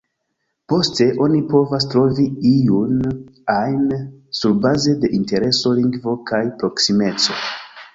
Poste, oni povas trovi iun ajn surbaze de intereso, lingvo kaj proksimeco.